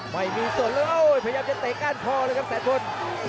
ไม่มีสดแล้วเอ้าพยายามจะแต๊กก้านพ่อเลยครับแสนพลน